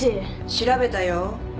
調べたよ。